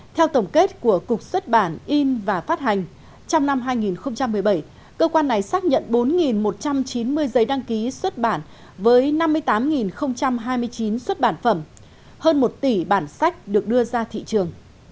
theo tổng kết của cục xuất bản in và phát hành trong năm hai nghìn một mươi bảy cơ quan này xác nhận bốn một trăm chín mươi giấy đăng ký xuất bản với năm mươi tám hai mươi chín xuất bản phẩm hơn một tỷ bản sách được đưa ra thị trường